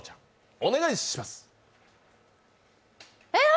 お願いします。